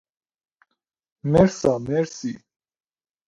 مرسا ـ مرسی